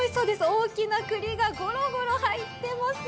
大きなくりがゴロゴロ入っています。